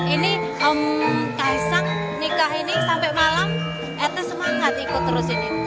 ini om kaisang nikah ini sampai malam etes semangat ikut terus ini